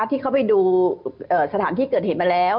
ที่เขาไปดูสถานที่เกิดเหตุมาแล้ว